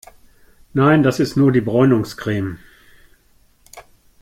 Nein, das ist nur die Bräunungscreme.